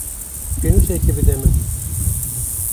Pênûsekê bide min.